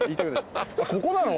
ここなの？